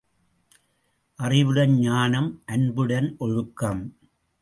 அறிவுடன் ஞானம் அன்புடன் ஒழுக்கம்.